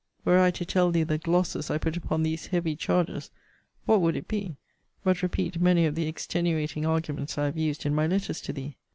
Were I to tell thee the glosses I put upon these heavy charges, what would it be, but repeat many of the extenuating arguments I have used in my letters to thee?